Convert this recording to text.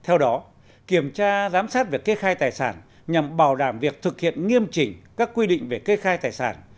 theo đó kiểm tra giám sát việc kê khai tài sản nhằm bảo đảm việc thực hiện nghiêm chỉnh các quy định về kê khai tài sản